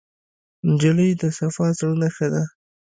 نجلۍ د صفا زړه نښه ده.